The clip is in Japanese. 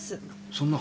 そんな。